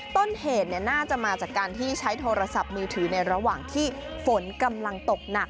ต้นเหตุน่าจะมาจากการที่ใช้โทรศัพท์มือถือในระหว่างที่ฝนกำลังตกหนัก